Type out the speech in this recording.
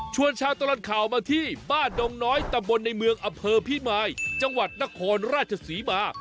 ชาวตลอดข่าวมาที่บ้านดงน้อยตำบลในเมืองอำเภอพิมายจังหวัดนครราชศรีมา